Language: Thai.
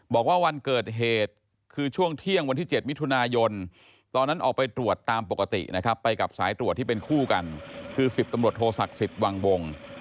บอกว่าวันเกิดเหตุคือช่วงเที่ยงวันที่๗มิถุนายนตอนนั้นออกไปตรวจตามปกตินะครับไปกับสายตรวจที่เป็นคู่กันคือ๑๐ตำรวจโทศักดิ์สิทธิ์วังวง